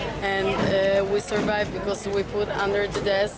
dan kemudian dia membuat saya keluar dari rumput dari rumput yang lain rumput di depan